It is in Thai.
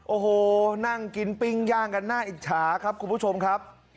โอ้โหนั่งกินปิ้งย่างกันน่าอิจฉาครับคุณผู้ชมครับ